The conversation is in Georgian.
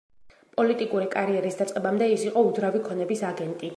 პოლიტიკური კარიერის დაწყებადე ის იყო უძრავი ქონების აგენტი.